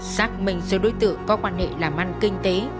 xác minh số đối tượng có quan hệ làm ăn kinh tế